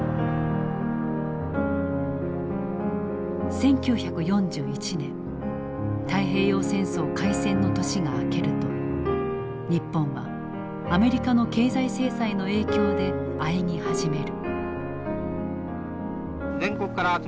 １９４１年太平洋戦争開戦の年が明けると日本はアメリカの経済制裁の影響であえぎ始める。